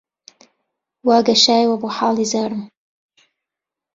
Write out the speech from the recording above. وا گەشایەوە بۆ حاڵی زارم